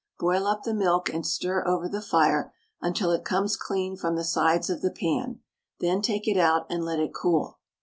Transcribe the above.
Boil up the milk and stir over the fire until it comes clean from the sides of the pan, then take it out and let it cool.